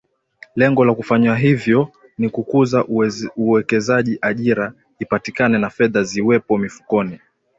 Lengo la kufanya hivyo ni kukuza uwekezaji ajira ipatikane na fedha ziwepo mifukoni